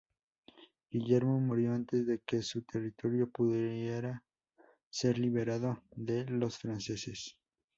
Guillermo murió antes de que su territorio pudiera ser liberado de los franceses.